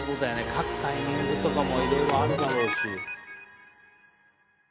描くタイミングとかもいろいろあるだろうし。